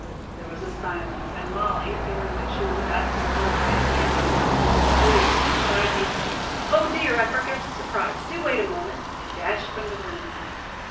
There was a silence, and Molly, feeling that she was about to be mortified again by something disagreeable, cried hastily: "Oh, dear, I forgot the surprise. Do wait a moment," and dashed from the room.